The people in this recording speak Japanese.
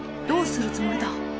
どうするつもりだ？